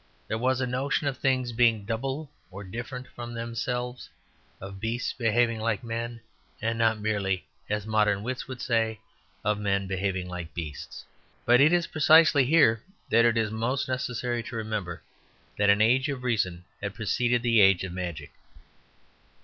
There was a notion of things being double or different from themselves, of beasts behaving like men and not merely, as modern wits would say, of men behaving like beasts. But it is precisely here that it is most necessary to remember that an age of reason had preceded the age of magic.